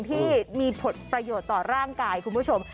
ที่มีผลประโยชน์ต่อร่างกายคุณผู้ชม